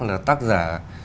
là tác giả